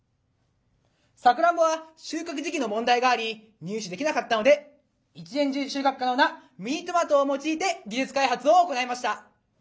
さくらんぼは収穫時期の問題があり入手できなかったので１年中収穫可能なミニトマトを用いて技術開発を行いました。